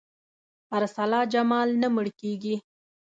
ارسلا جمال نه مړ کېږي.